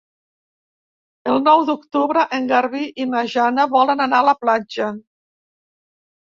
El nou d'octubre en Garbí i na Jana volen anar a la platja.